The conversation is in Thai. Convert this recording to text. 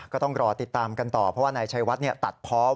ก็ต้องรอติดตามกันต่อเพราะว่านายชัยวัดตัดเพาะ